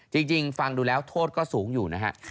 จริงฟังดูแล้วโทษก็สูงอยู่นะฮะ